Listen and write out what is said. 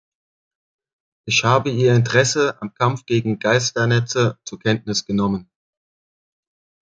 Ich habe Ihr Interesse am Kampf gegen Geisternetze zur Kenntnis genommen.